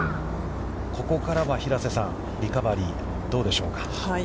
ここからは、平瀬さん、リカバリー、どうでしょうか。